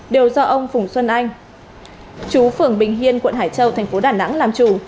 đều do ông phùng xuân anh chú phường bình hiên quận hải châu tp đà nẵng làm chủ